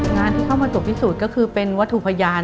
งานที่เข้ามาตรวจพิสูจน์ก็คือเป็นวัตถุพยาน